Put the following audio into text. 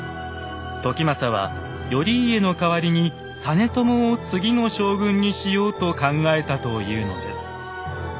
時政は頼家の代わりに実朝を次の将軍にしようと考えたというのです。